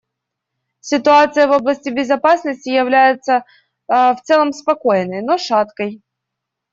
Ситуация в области безопасности является в целом спокойной, но шаткой.